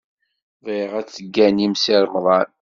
Bɣiɣ ad tegganim Si Remḍan.